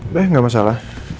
udah nggak masalah